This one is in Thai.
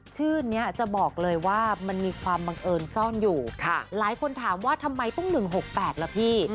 ชื่อนี้จะบอกเลยว่ามันมีความบังเอิญซ่อนอยู่หลายคนถามว่าทำไมต้อง๑๖๘ล่ะพี่